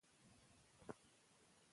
خپله ژبه خپله هويت دی.